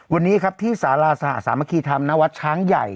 วันนี้ครับที่สาราสหสามัคคีธรรมนวัดช้างใหญ่